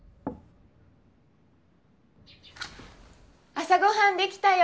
朝ごはん出来たよ。